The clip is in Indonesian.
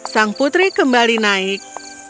sang putri kembali naik